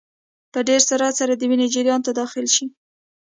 په ډېر سرعت سره د وینې جریان ته داخل شي.